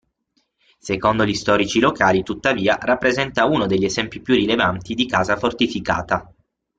Secondo gli storici locali tuttavia, rappresenta uno degli esempi più rilevanti di casa fortificata.